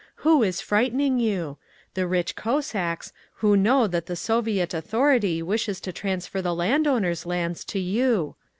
Who is frightening you? The rich Cossacks, who know that the Soviet AUTHORITY WISHES TO transfer the landowners' lands to you.